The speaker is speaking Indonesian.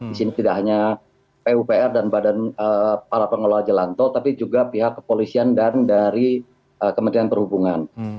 di sini tidak hanya pupr dan badan para pengelola jalan tol tapi juga pihak kepolisian dan dari kementerian perhubungan